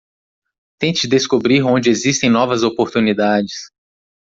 Tente descobrir onde existem novas oportunidades